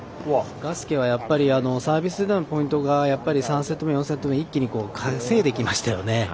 ガスケはやっぱりサービスでのポイントが３セット目、４セット目一気に稼いできましたよね。